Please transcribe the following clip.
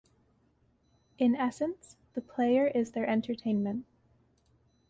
In essence, the player is their entertainment.